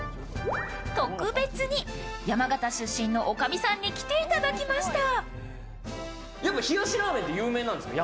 特別に、山形出身の女将さんに来ていただきました。